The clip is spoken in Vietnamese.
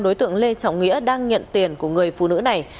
đối tượng lê trọng nghĩa đang nhận tiền của người phụ nữ này